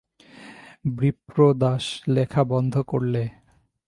বিপ্রদাস লেখা বন্ধ করলে।